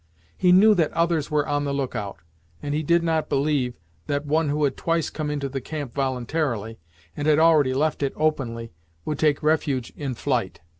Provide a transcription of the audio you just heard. He knew that others were on the look out, and he did not believe that one who had twice come into the camp voluntarily, and had already left it openly, would take refuge in flight.